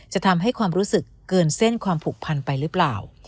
จะทำให้ความรู้สึกเกินเส้นความผูกพันไปหรือเปล่า